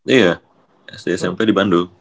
iya sd smp di bandung